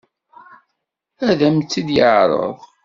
Ad m-tt-yeɛṛeḍ?